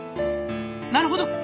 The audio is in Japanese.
「なるほど！